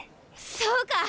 そうか！